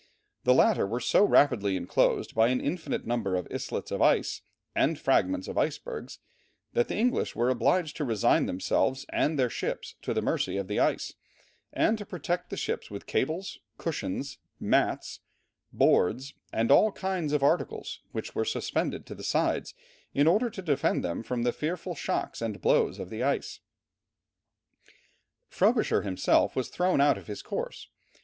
The latter were so rapidly enclosed by an infinite number of islets of ice and fragments of icebergs, that the English were obliged to resign themselves and their ships to the mercy of the ice, and to protect the ships with cables, cushions, mats, boards, and all kinds of articles which were suspended to the sides, in order to defend them from the fearful shocks and blows of the ice." Frobisher himself was thrown out of his course.